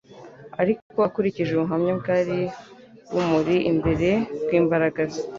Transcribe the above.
Ariko akurikije ubuhamya bwari bumuri imbere bw’imbaraga ze,